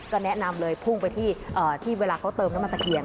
ก็แนะนำเลยพุ่งไปที่เวลาเขาเติมน้ำมันตะเคียน